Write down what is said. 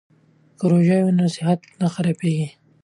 که روژه وي نو صحت نه خرابیږي.